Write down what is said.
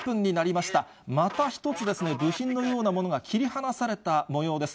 また１つ部品のようなものが切り離されたもようです。